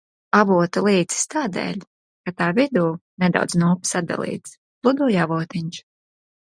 Avota līcis, tādēļ, ka tā vidū nedaudz no upes atdalīts pludoja avotiņš.